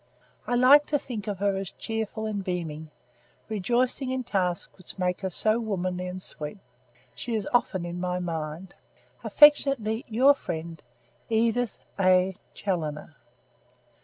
I like to think of her as cheerful and beaming, rejoicing in tasks which make her so womanly and sweet. She is often, often in my mind. "Affectionately your friend, "EDITH A. CHALLONER."